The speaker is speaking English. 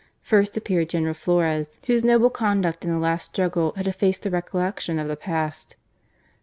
First appeared General Flores, whose noble conduct in the last struggle had effaced the recollection of the past.